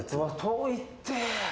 遠いって。